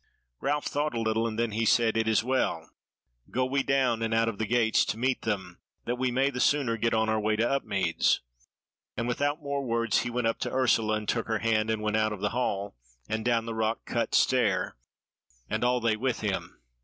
Ralph thought a little, and then he said: "It is well; go we down and out of gates to meet them, that we may the sooner get on our way to Upmeads." And without more words he went up to Ursula and took her hand and went out of the hall, and down the rock cut stair, and all they with him.